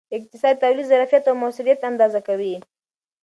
اقتصاد د تولید ظرفیت او موثریت اندازه کوي.